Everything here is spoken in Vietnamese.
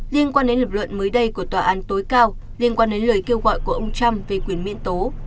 liên quan đến lập luận mới đây của tòa án tối cao liên quan đến lời kêu gọi của ông trump về quyền miễn tố